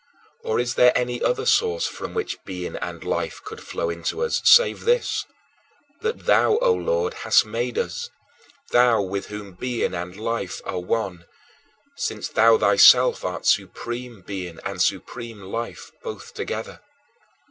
Or is there any other source from which being and life could flow into us, save this, that thou, O Lord, hast made us thou with whom being and life are one, since thou thyself art supreme being and supreme life both together.